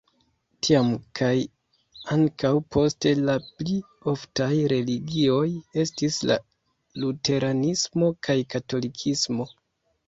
Tiam kaj ankaŭ poste la pli oftaj religioj estis la luteranismo kaj katolikismo.